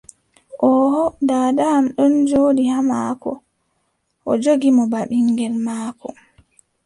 Oooho. Daada am ɗon jooɗi haa maako, o joggi mo baa ɓinŋgel maako.